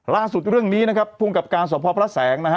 ล่าสุดเรื่องนี้นะครับภูมิกับการสอบพอพระแสงนะฮะ